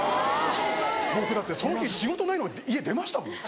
僕だってその日仕事ないのに家出ましたもん。